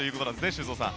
修造さん。